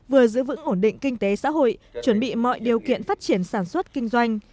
vừa giữ vững ổn định kinh tế xã hội chuẩn bị mọi điều kiện phát triển sản xuất kinh doanh